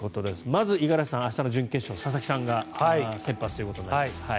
まず、五十嵐さん明日の準決勝佐々木さんが先発となります。